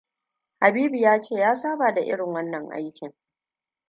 Habibu yace ya saba da irin wannan aikin.